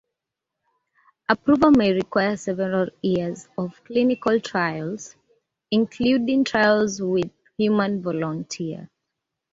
Approval may require several years of clinical trials, including trials with human volunteers.